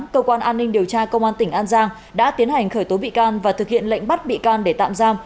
công an tỉnh an giang đã tiến hành khởi tố bị can và thực hiện lệnh bắt bị can để tạm giam